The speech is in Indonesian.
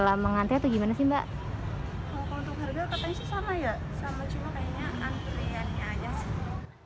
sama cuma kayaknya antriannya aja sih